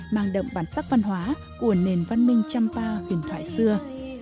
mang đậm bản sắc văn hóa của nền văn minh trăm pa huyền thoại xưa